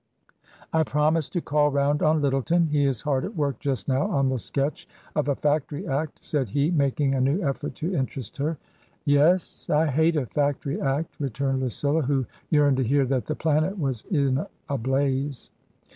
" I promised to call round on Lyttleton. He is hard at work just now on a sketch of a Factory Act," said he, making a new effort to interest her. " Yes ? I hate a Factory Act," returned Lucilla, who yearned to hear that the planet was in a blaze.